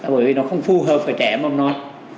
bởi vì nó không phù hợp với trẻ mầm non